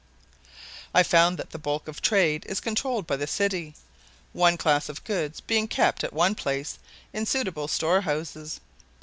I found that the bulk of the trade is controlled by the city, one class of goods being kept at one place in suitable store houses.